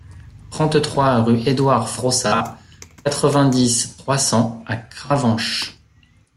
trente-trois rue Édouard Frossard, quatre-vingt-dix, trois cents à Cravanche